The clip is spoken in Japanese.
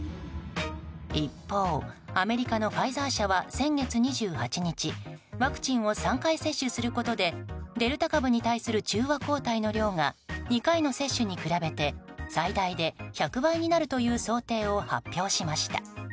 一方、アメリカのファイザー社は先月２８日ワクチンを３回接種することでデルタ株に対する中和抗体の量が２回の接種に比べて最大で１００倍になるという想定を発表しました。